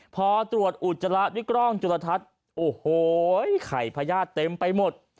พอตรวจอุจจาระด้วยกล้องจุลทัศน์โอ้โหไข่พญาติเต็มไปหมด